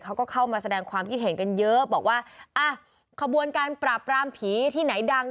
เขาก็เข้ามาแสดงความคิดเห็นกันเยอะบอกว่าอ่ะขบวนการปราบรามผีที่ไหนดัง